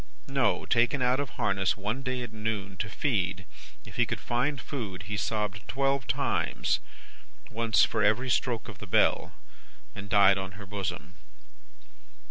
No! Taken out of harness one day at noon, to feed if he could find food he sobbed twelve times, once for every stroke of the bell, and died on her bosom.